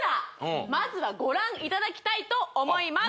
まずはご覧いただきたいと思います